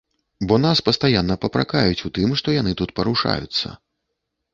Бо нас пастаянна папракаюць у тым, што яны тут парушаюцца.